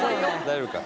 大丈夫か。